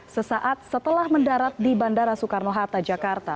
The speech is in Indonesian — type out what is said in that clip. sesaat setelah mendarat di bandara soekarno hatta jakarta